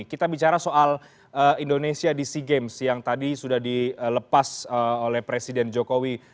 kita bicara soal indonesia di sea games yang tadi sudah dilepas oleh presiden jokowi